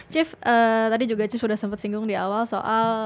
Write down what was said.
chef tadi juga chie sudah sempat singgung di awal soal